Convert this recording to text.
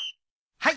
はい！